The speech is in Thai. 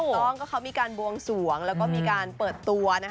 ต้องก็เขามีการบวงสวงแล้วก็มีการเปิดตัว